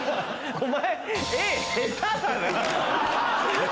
お前。